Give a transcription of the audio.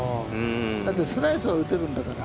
だって、スライスは打てるんだから。